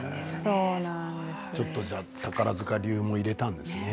ちょっと宝塚流も入れたんですね。